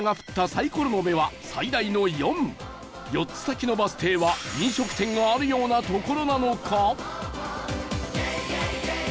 ４つ先のバス停は飲食店があるような所なのか？